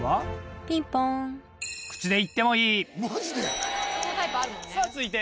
・ピンポン・マジで⁉さぁ続いて。